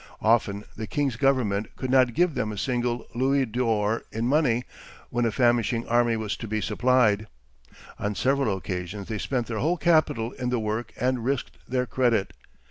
Often the king's government could not give them a single louis d'or in money when a famishing army was to be supplied. On several occasions they spent their whole capital in the work and risked their credit.